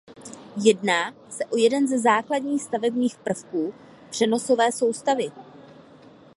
Jedná se o jeden ze základních stavebních prvků přenosové soustavy.